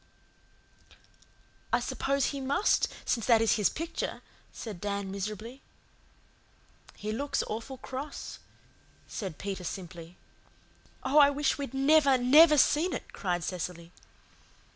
"I suppose He must, since that is His picture," said Dan miserably. "He looks awful cross," said Peter simply. "Oh, I wish we'd never, never seen it," cried Cecily.